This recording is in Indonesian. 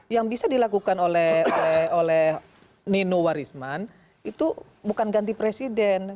yang bisa dilakukan oleh nino warisman itu bukan ganti presiden